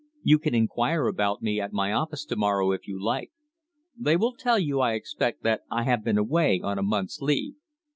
"You can inquire about me at my office to morrow, if you like. They will tell you, I expect, that I have been away on a month's leave."